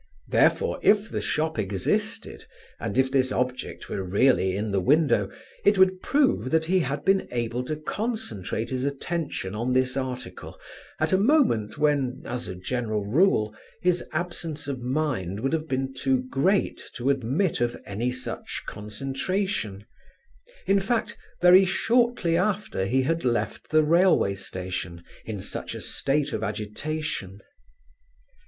Therefore, if the shop existed and if this object were really in the window, it would prove that he had been able to concentrate his attention on this article at a moment when, as a general rule, his absence of mind would have been too great to admit of any such concentration; in fact, very shortly after he had left the railway station in such a state of agitation.